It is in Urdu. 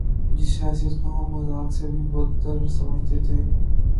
جس حیثیت کو ہم مذاق سے بھی بد تر سمجھتے تھے۔